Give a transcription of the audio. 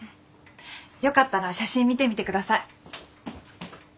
よかったら写真見てみてください。